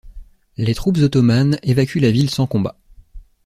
Les troupes ottomanes évacuent la ville sans combat.